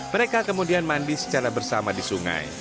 mereka kemudian mandi secara bersama di sungai